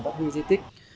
và phát huy giá trị di tích